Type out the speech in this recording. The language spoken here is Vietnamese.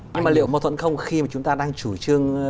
nhưng mà liệu mâu thuẫn không khi mà chúng ta đang chủ trương